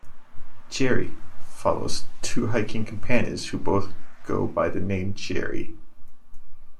"Gerry" follows two hiking companions who both go by the name "Gerry".